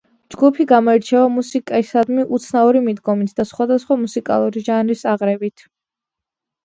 ჯგუფი გამოირჩევა მუსიკისადმი უცნაური მიდგომით და სხვადასხვა მუსიკალური ჟანრის აღრევით.